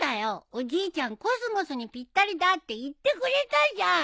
おじいちゃんコスモスにぴったりだって言ってくれたじゃん。